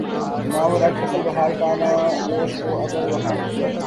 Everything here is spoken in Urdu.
نہ وہ رنگ فصل بہار کا نہ روش وہ ابر بہار کی